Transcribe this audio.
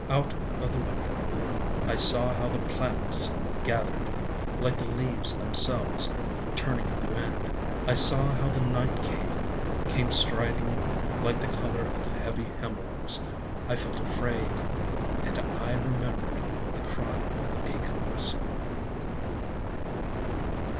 Out of the window, I saw how the planets gathered Like the leaves themselves Turning in the wind, I saw how the night came. Came striding like the color of the heavy hemlocks. I felt afraid ŌĆö And I remembered the cry of the peacocks.